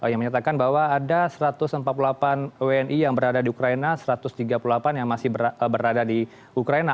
yang menyatakan bahwa ada satu ratus empat puluh delapan wni yang berada di ukraina satu ratus tiga puluh delapan yang masih berada di ukraina